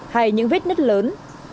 hay những vết nứt lớn